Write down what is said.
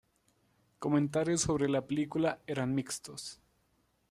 Comentarios sobre la película eran mixtos.